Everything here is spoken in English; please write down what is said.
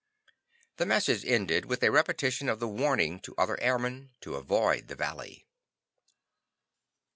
The message ended with a repetition of the warning to other airmen to avoid the valley.